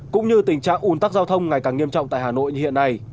cũng như tình trạng ủn tắc giao thông ngày càng nghiêm trọng tại hà nội như hiện nay